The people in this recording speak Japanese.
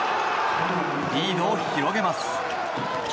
リードを広げます。